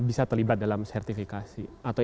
bisa terlibat dalam sertifikasi atau